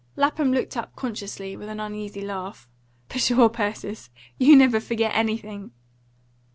Lapham looked up consciously, with an uneasy laugh. "Pshaw, Persis! you never forget anything?"